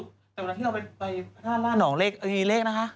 แต่วันที่เราไปร่านหล่องนี่เลขนะคะ